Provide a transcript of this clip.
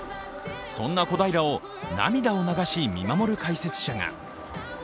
そんな小平を涙を流し見守る解説者が。